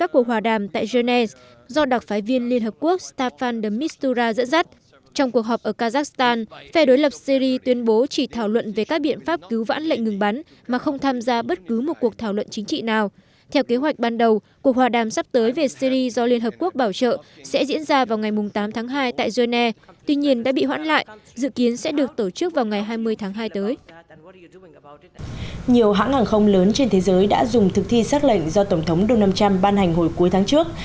quyết định trên thế giới đã dùng thực thi xác lệnh do tổng thống donald trump ban hành hồi cuối tháng trước